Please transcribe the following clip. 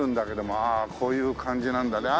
ああこういう感じなんだね。